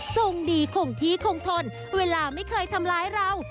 ทรงดีคงที่คงทนเวลาไม่เคยทำร้ายเรา